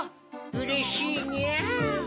うれしいにゃ！